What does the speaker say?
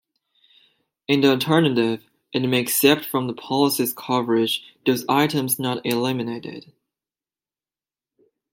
In the alternative, it may except from the policy's coverage those items not eliminated.